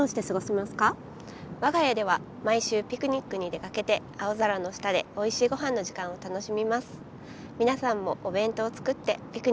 我が家では毎週ピクニックに出かけて青空の下でおいしいごはんの時間を楽しみます。